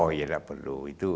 oh iya tidak perlu